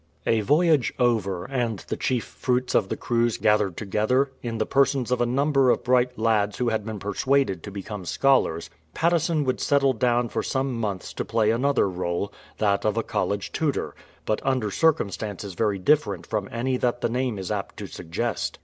A voyage over, and the chief fruits of the cruise gathered together, in the persons of a number of bright lads who had been persuaded to become scholars, Patteson would settle down for some months to play another role, that of a college tutor, but under circumstances very different from any that the name is apt to suggest.